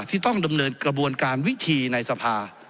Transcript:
ที่ต้องดำเนินกระบวนการวิธีในสภา